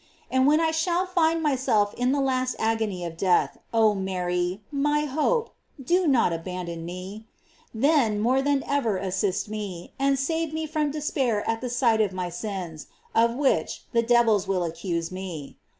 And when I shall find myself in the last agony of death, oh Mary! my hope, do not aban don me; then more than ever assist me, and save me from despair at the sight of my sins, of which the devils will accuse me.